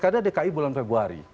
pdkdki bulan februari